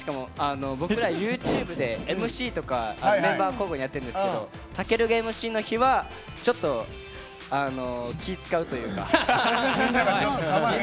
僕ら、ＹｏｕＴｕｂｅでＭＣとかメンバー交互にやってるんですけど威尊がＭＣの日はちょっと気を遣うというか。